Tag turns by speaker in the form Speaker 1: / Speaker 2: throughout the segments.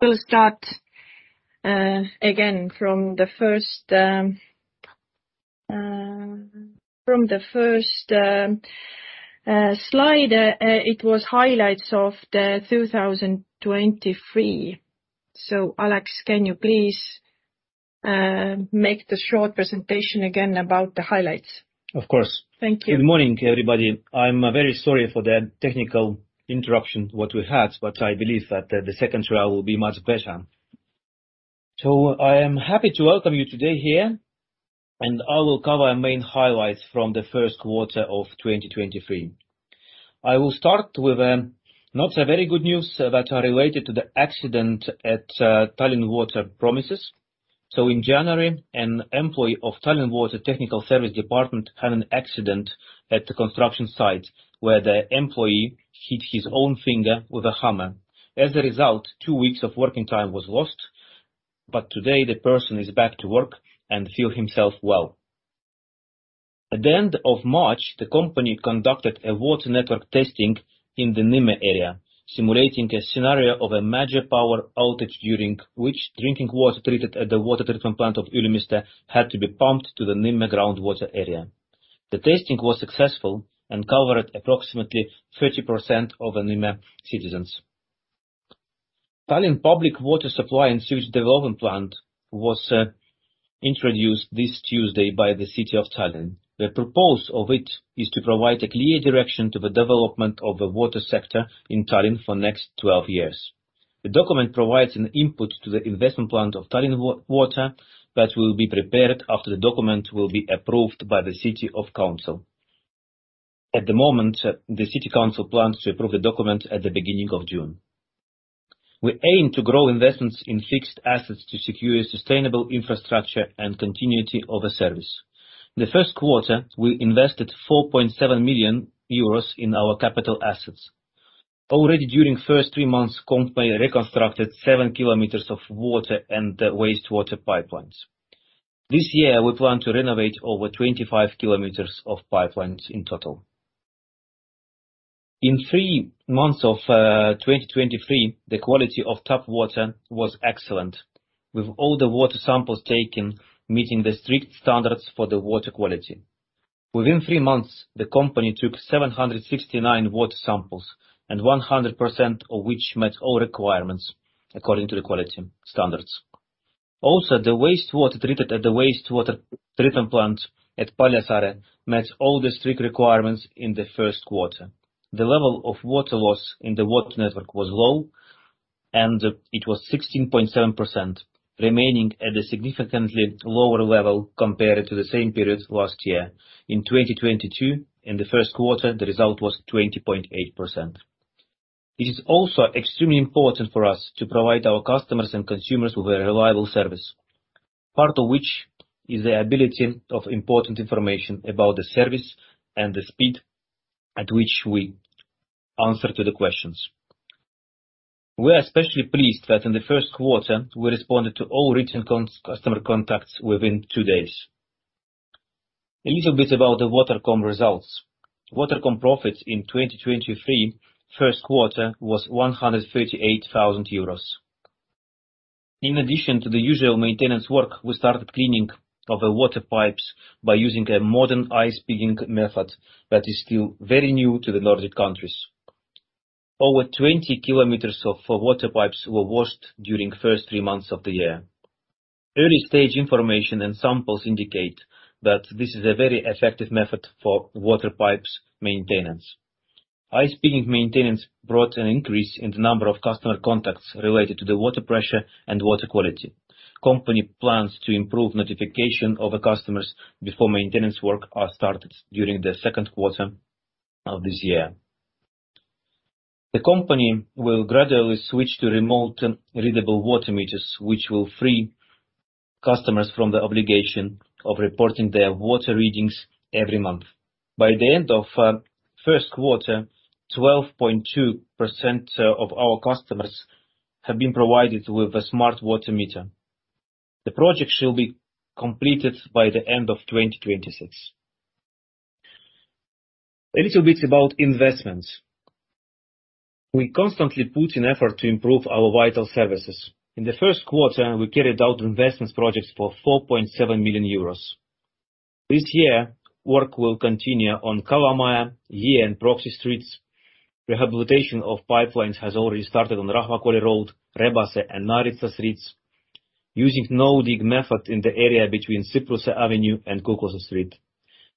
Speaker 1: We'll start again from the first slide. It was highlights of 2023. Alex, can you please make the short presentation again about the highlights?
Speaker 2: Of course.
Speaker 1: Thank you.
Speaker 2: Good morning, everybody. I'm very sorry for the technical interruption what we had. I believe that the second trial will be much better. I am happy to welcome you today here. I will cover main highlights from the first quarter of 2023. I will start with not so very good news that are related to the accident at Tallinn Water premises. In January, an employee of Tallinn Water Technical Service Department had an accident at the construction site, where the employee hit his own finger with a hammer. As a result, two weeks of working time was lost. Today the person is back to work and feel himself well. At the end of March, the company conducted a water network testing in the Nõmme area, simulating a scenario of a major power outage during which drinking water treated at the water treatment plant of Ülemiste had to be pumped to the Nõmme groundwater area. The testing was successful and covered approximately 30% of the Nõmme citizens. Tallinn Public Water Supply and Sewerage Development Plan was introduced this Tuesday by the City of Tallinn. The purpose of it is to provide a clear direction to the development of the water sector in Tallinn for next 12 years. The document provides an input to the investment plan of Tallinn Water that will be prepared after the document will be approved by the City Council. At the moment, the City Council plans to approve the document at the beginning of June. We aim to grow investments in fixed assets to secure sustainable infrastructure and continuity of the service. The first quarter, we invested 4.7 million euros in our capital assets. Already during first three months, company reconstructed 7 s of water and wastewater pipelines. This year, we plan to renovate over 25 kilometers of pipelines in total. In three months of 2023, the quality of tap water was excellent, with all the water samples taken meeting the strict standards for the water quality. Within three months, the company took 769 water samples and 100% of which met all requirements according to the quality standards. Also, the wastewater treated at the wastewater treatment plant at Paljassaare met all the strict requirements in the first quarter. The level of water loss in the water network was low, it was 16.7% remaining at a significantly lower level compared to the same period last year. In 2022, in the first quarter, the result was 20.8%. It is also extremely important for us to provide our customers and consumers with a reliable service, part of which is the ability of important information about the service and the speed at which we answer to the questions. We are especially pleased that in the first quarter, we responded to all written customer contacts within two days. A little bit about the Watercom results. Watercom profits in 2023 first quarter was 138,000 euros. In addition to the usual maintenance work, we started cleaning of the water pipes by using a modern ice pigging method that is still very new to the Nordic countries. Over 20 kilometers of water pipes were washed during first three months of the year. Early stage information and samples indicate that this is a very effective method for water pipes maintenance. Ice pigging maintenance brought an increase in the number of customer contacts related to the water pressure and water quality. Company plans to improve notification of the customers before maintenance work are started during the second quarter of this year. The company will gradually switch to remote readable water meters, which will free customers from the obligation of reporting their water readings every month. By the end of first quarter, 12.2% of our customers have been provided with a smart water meter. The project should be completed by the end of 2026. A little bit about investments. We constantly put in effort to improve our vital services. In the first quarter, we carried out investments projects for 4.7 million euros. This year, work will continue on Kalamaja, Jõe and Pronksi streets. Rehabilitation of pipelines has already started on Rahakooli Road, Rebase and Naritsa streets, using no-dig method in the area between Sipoo Avenue and Kukuze Street.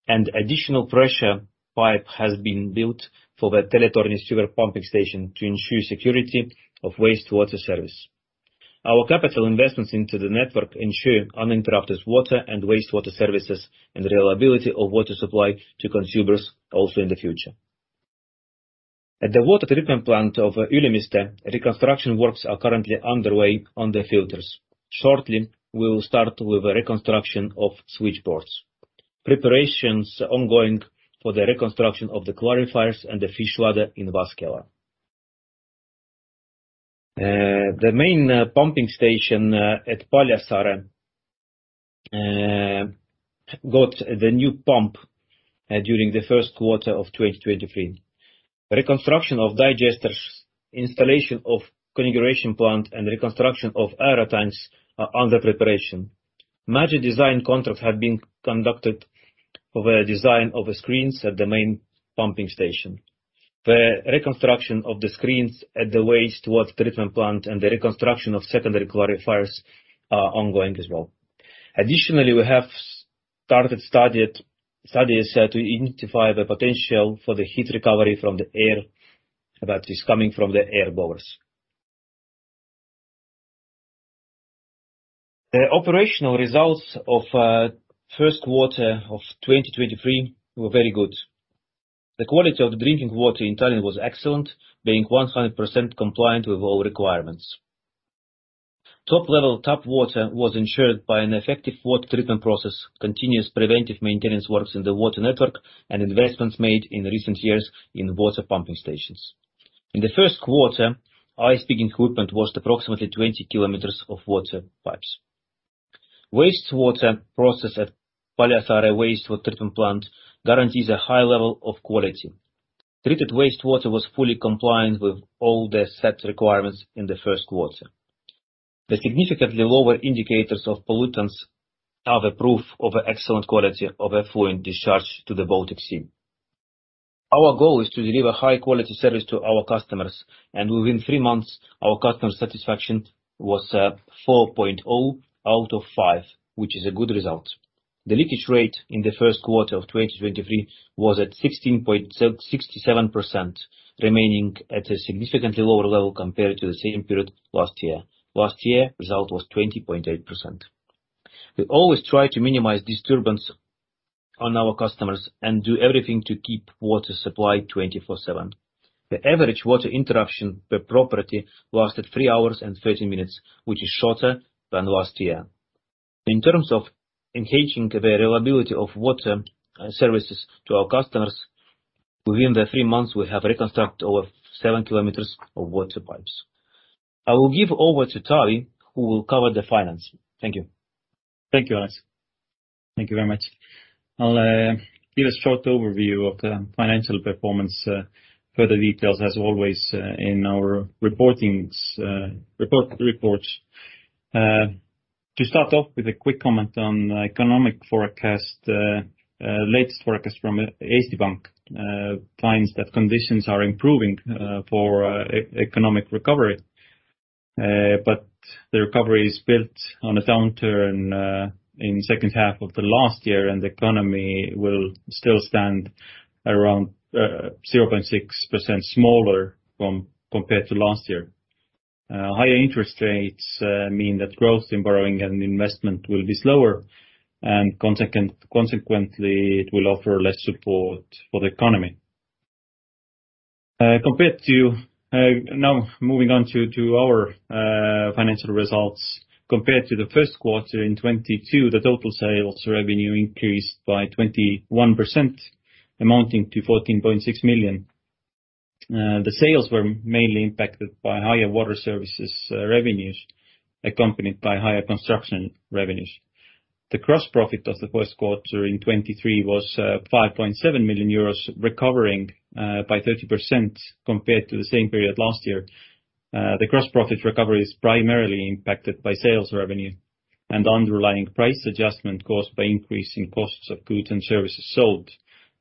Speaker 2: Additional pressure pipe has been built for the Teletorn sewer pumping station to ensure security of wastewater service. Our capital investments into the network ensure uninterrupted water and wastewater services and reliability of water supply to consumers also in the future. At the water treatment plant of Ülemiste, reconstruction works are currently underway on the filters. Shortly, we will start with the reconstruction of switchboards. Preparations ongoing for the reconstruction of the clarifiers and the fish ladder in Vaskjala. The main pumping station at Paljassaare got the new pump during the 1st quarter of 2023. Reconstruction of digesters, installation of cogeneration plant, and reconstruction of aerotanks are under preparation. Major design contracts have been conducted over design of the screens at the main pumping station. The reconstruction of the screens at the wastewater treatment plant and the reconstruction of secondary clarifiers are ongoing as well. Additionally, we have started studies to identify the potential for the heat recovery from the air that is coming from the air blowers. The operational results of first quarter of 2023 were very good. The quality of the drinking water in Tallinn was excellent, being 100% compliant with all requirements. Top-level tap water was ensured by an effective water treatment process, continuous preventive maintenance works in the water network, and investments made in recent years in water pumping stations. In the first quarter, ice pigging equipment washed approximately 20 km of water pipes. Wastewater processed at Paljassaare Wastewater Treatment Plant guarantees a high level of quality. Treated wastewater was fully compliant with all the set requirements in the first quarter. The significantly lower indicators of pollutants are the proof of excellent quality of effluent discharge to the Baltic Sea. Our goal is to deliver high-quality service to our customers, and within three months, our customer satisfaction was 4.0 out of five, which is a good result. The leakage rate in the first quarter of 2023 was at 16.67%, remaining at a significantly lower level compared to the same period last year. Last year, result was 20.8%. We always try to minimize disturbance on our customers and do everything to keep water supply 24/7. The average water interruption per property lasted three hours and 30 minutes, which is shorter than last year. In terms of enhancing the reliability of water services to our customers, within the three months, we have reconstructed over 7 km of water pipes. I will give over to Taavi, who will cover the finance. Thank you.
Speaker 3: Thank you, Alex. Thank you very much. I'll give a short overview of the financial performance, further details as always, in our reportings, reports. To start off with a quick comment on economic forecast. Latest forecast from SEB Pank finds that conditions are improving for economic recovery. The recovery is built on a downturn in second half of the last year, the economy will still stand around 0.6% smaller compared to last year. Higher interest rates mean that growth in borrowing and investment will be slower consequently, it will offer less support for the economy. Compared to now moving on to our financial results. Compared to the first quarter in 2022, the total sales revenue increased by 21%, amounting to 14.6 million. The sales were mainly impacted by higher water services revenues, accompanied by higher construction revenues. The gross profit of the first quarter in 2023 was 5.7 million euros, recovering by 30% compared to the same period last year. The gross profit recovery is primarily impacted by sales revenue and underlying price adjustment caused by increase in costs of goods and services sold.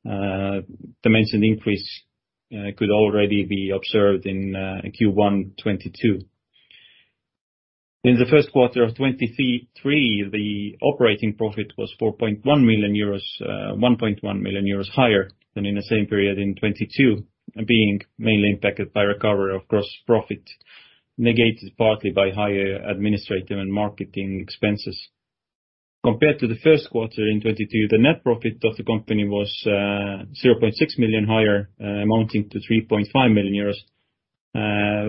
Speaker 3: Dimension increase could already be observed in Q1 2022. In the first quarter of 2023, the operating profit was 4.1 million euros, 1.1 million euros higher than in the same period in 2022, being mainly impacted by recovery of gross profit, negated partly by higher administrative and marketing expenses. Compared to the first quarter in 2022, the net profit of the company was 0.6 million higher, amounting to 3.5 million euros,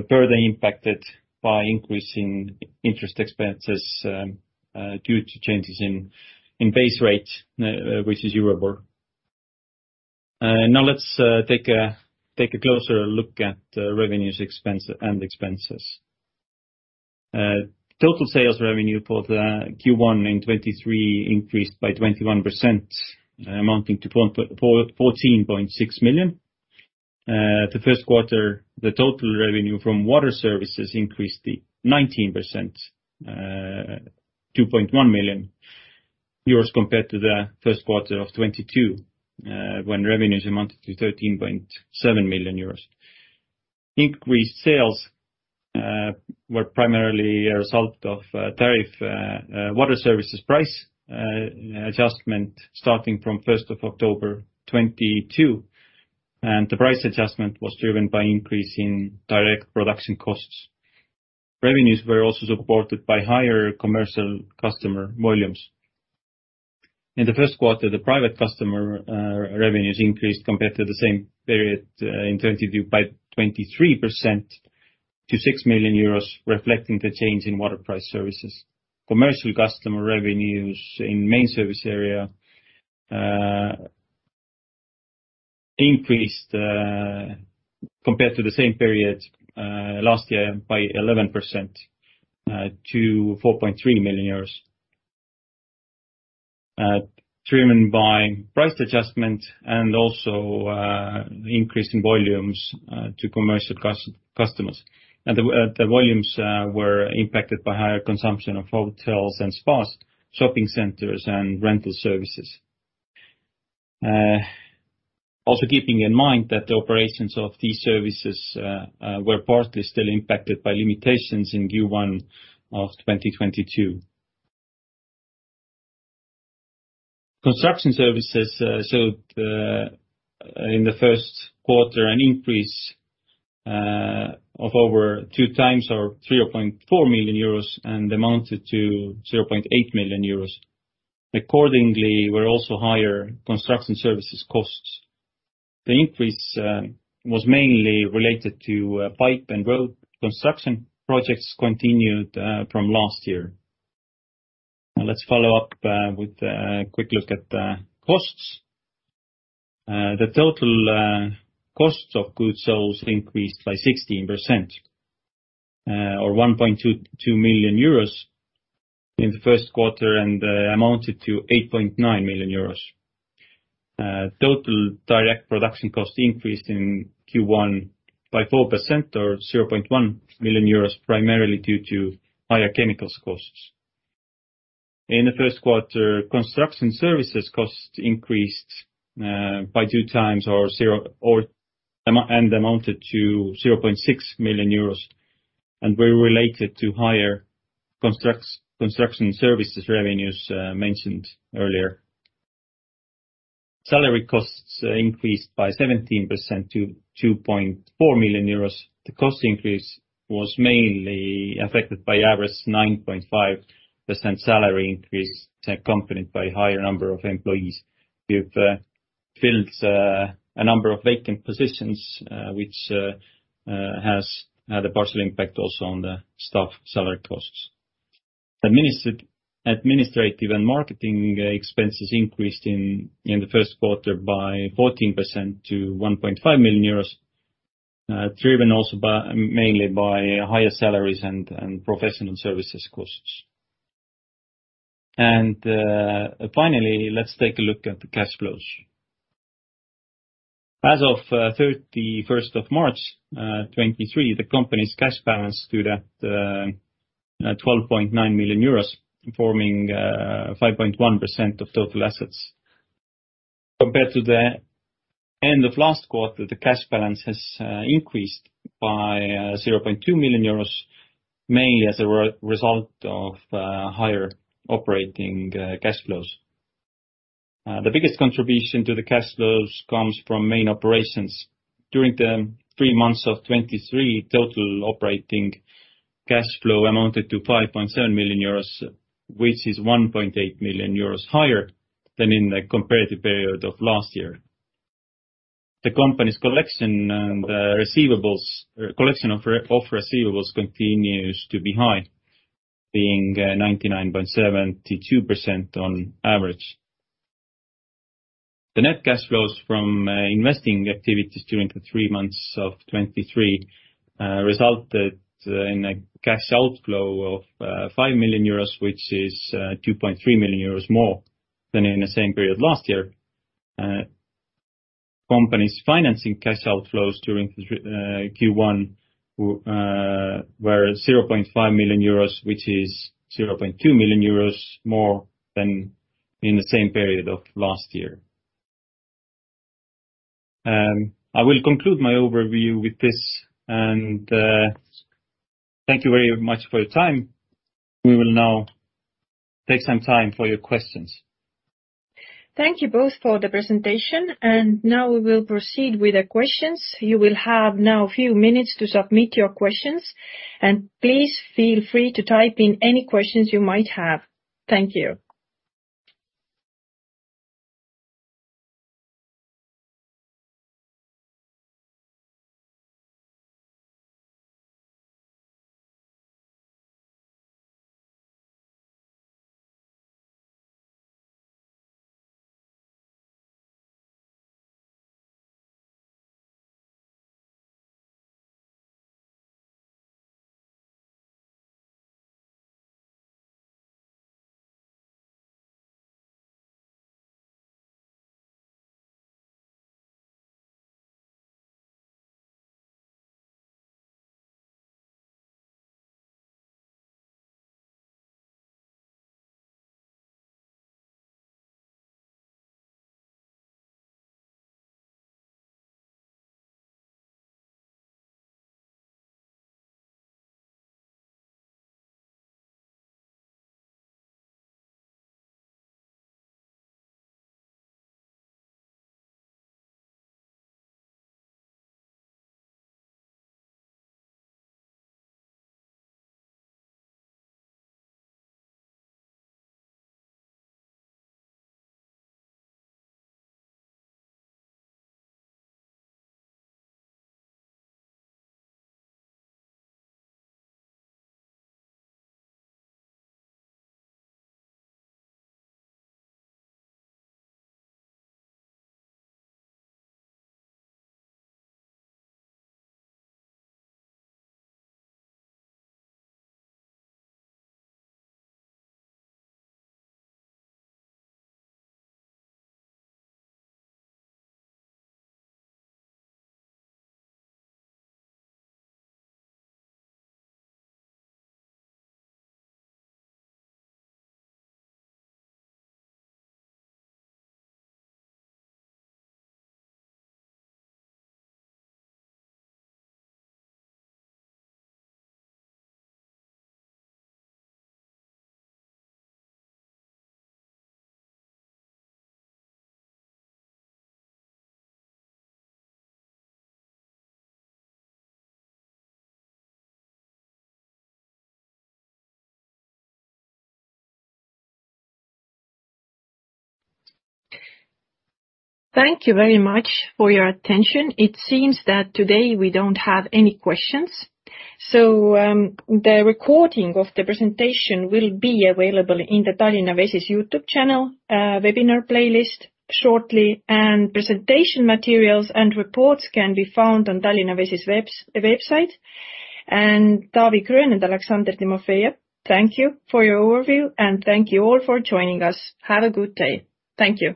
Speaker 3: further impacted by increase in interest expenses due to changes in base rate, which is Euribor. Now let's take a closer look at revenues expense and expenses. Total sales revenue for the Q1 in 2023 increased by 21%, amounting to 14.6 million. The first quarter, the total revenue from water services increased 19%, 2.1 million euros compared to the first quarter of 2022, when revenues amounted to 13.7 million euros. Increased sales were primarily a result of tariff water services price adjustment starting from 1st of October 2022. The price adjustment was driven by increase in direct production costs. Revenues were also supported by higher commercial customer volumes. In the first quarter, the private customer revenues increased compared to the same period in 2022 by 23% to 6 million euros, reflecting the change in water price services. Commercial customer revenues in main service area increased compared to the same period last year by 11% to 4.3 million euros. Driven by price adjustment and also increase in volumes to commercial customers. The volumes were impacted by higher consumption of hotels and spas, shopping centers, and rental services. Also keeping in mind that the operations of these services were partly still impacted by limitations in Q1 of 2022. Construction services showed in the first quarter an increase of over 2x or 3.4 million euros and amounted to 0.8 million euros. Accordingly, were also higher construction services costs. The increase was mainly related to pipe and road construction projects continued from last year. Now let's follow up with a quick look at the costs. The total costs of good sales increased by 16% or 1.22 million euros in the first quarter and amounted to 8.9 million euros. Total direct production costs increased in Q1 by 4% or 0.1 million euros, primarily due to higher chemicals costs. In the first quarter, construction services costs increased by 2x or zero and amounted to 0.6 million euros and were related to higher construction services revenues mentioned earlier. Salary costs increased by 17% to 2.4 million euros. The cost increase was mainly affected by average 9.5% salary increase, accompanied by higher number of employees. We've filled a number of vacant positions, which has had a partial impact also on the staff salary costs. Administrative and marketing expenses increased in the first quarter by 14% to 1.5 million euros, driven also mainly by higher salaries and professional services costs. Finally, let's take a look at the cash flows. As of 31st of March 2023, the company's cash balance stood at 12.9 million euros, forming 5.1% of total assets. Compared to the end of last quarter, the cash balance has increased by 0.2 million euros, mainly as a result of higher operating cash flows. The biggest contribution to the cash flows comes from main operations. During the three months of 2023, total operating cash flow amounted to 5.7 million euros, which is 1.8 million euros higher than in the comparative period of last year. The company's collection and receivables collection of receivables continues to be high, being 99.72% on average. The net cash flows from investing activities during the three months of 2023 resulted in a cash outflow of 5 million euros, which is 2.3 million euros more than in the same period last year. Company's financing cash outflows during Q1 were at 0.5 million euros, which is 0.2 million euros more than in the same period of last year. I will conclude my overview with this. Thank you very much for your time. We will now take some time for your questions.
Speaker 1: Thank you both for the presentation, and now we will proceed with the questions. You will have now a few minutes to submit your questions, and please feel free to type in any questions you might have. Thank you.